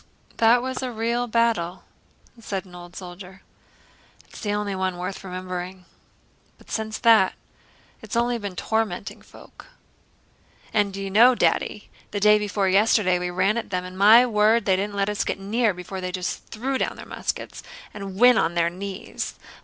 "That was a real battle," said an old soldier. "It's the only one worth remembering; but since that... it's only been tormenting folk." "And do you know, Daddy, the day before yesterday we ran at them and, my word, they didn't let us get near before they just threw down their muskets and went on their knees.